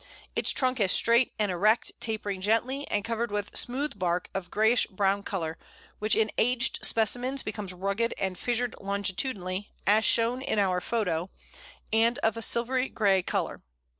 Its trunk is straight and erect, tapering gently, and covered with smooth bark, of a greyish brown colour, which in aged specimens becomes rugged and fissured longitudinally, as shown in our photo, and of a silvery grey colour.